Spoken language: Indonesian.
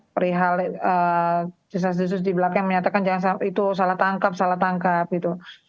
perihal jasa sisus di belakang menyatakan jangan itu salah tangkap salah tangkap gitu